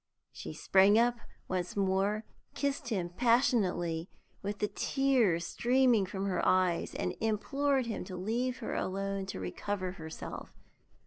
She sprang up once more, kissed him passionately, with the tears streaming from her eyes, and implored him to leave her alone to recover herself.